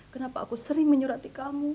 kenapa aku sering menyurati kamu